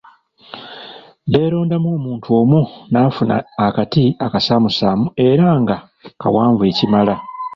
Beerondamu omuntu omu n’afuna akati akasaamusaamu era nga kawanvu ekimala.